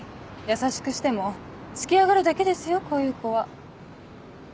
優しくしてもつけ上がるだけですよこういう子は。